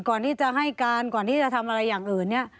ก่อนที่จะให้การก่อนที่จะทำอะไรอย่างอื่นเนี่ย